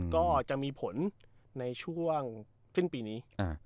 ก็จะมีผลในช่วงสิ้นปีนี้